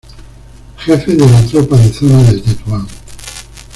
Jefe de la Tropas de Zona de Tetuán.